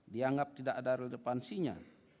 dianggap tidak ada relevansinya